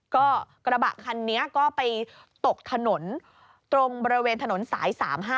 ก็กระบะคันนี้ก็ไปตกถนนตรงบริเวณถนนสาย๓๕